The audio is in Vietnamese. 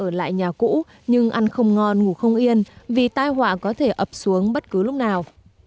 hoặc là ở lại nhà cũ thế nhưng ăn không ngon ngủ không yên vì tai họa có thể ập xuống bất cứ lúc nào